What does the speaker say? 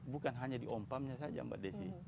bukan hanya diompamnya saja mbak desi